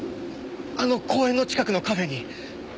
あの公園の近くのカフェに。